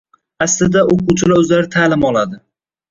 Aslida, o‘quvchilar o‘zlari ta’lim oladi.